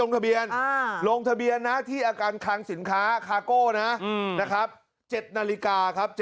ลงทะเบียนลงทะเบียนที่อาการคางสินค้าคาโก้นะครับ